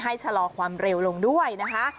ชะลอความเร็วลงด้วยนะคะ